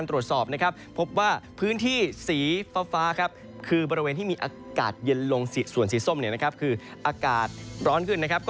โรงสีส่วนสีส้มอากาศร้อนขึ้น